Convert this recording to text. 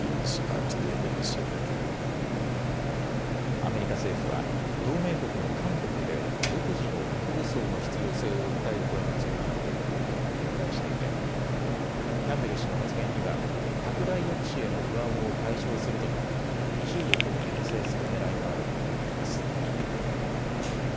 アメリカ政府は同盟国の韓国で独自の核武装の必要性を訴える声が強まっていることを警戒していてキャンベル氏の発言には拡大抑止への不安を解消するとともに中国をけん制するねらいもあると見られます。